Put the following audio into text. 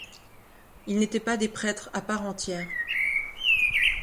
Ils n'étaient pas des prêtres à part entière.